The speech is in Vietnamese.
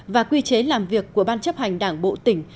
và quy chế làm việc của ban chấp hành đảng bộ tỉnh